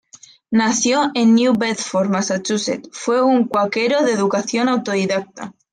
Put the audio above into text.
Nacido en New Bedford, Massachusetts, fue un cuáquero, de educación autodidacta.